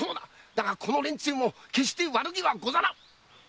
だがこの連中も決して悪気はござらん！